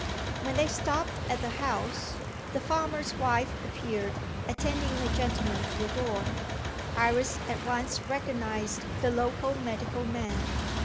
When they stopped at the house, the farmer's wife appeared, attending a gentleman to the door. Iris at once recognised the local medical man.